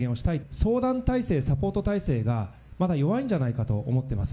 相談体制、サポート体制がまだ弱いんじゃないかと思ってます。